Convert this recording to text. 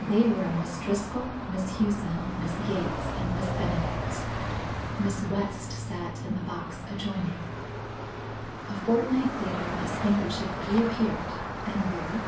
They were Miss Driscoll, Miss Hughson, Miss Yates, and Miss Benedict. Miss West sat in the box adjoining. A fortnight later this handkerchief reappeared and where?